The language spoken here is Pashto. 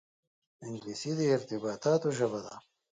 انګلیسي د ارتباطاتو ژبه ده